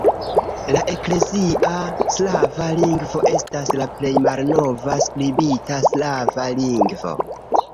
La eklezia slava lingvo estas la plej malnova skribita slava lingvo.